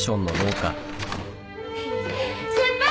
先輩！